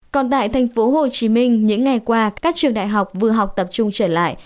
còn tại tp hcm những ngày qua các trường đại học vừa học tập trung trở lại